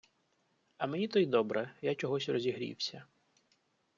А мені то й добре, я чогось розігрівся.